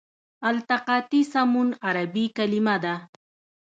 التقاطي سمون عربي کلمه ده.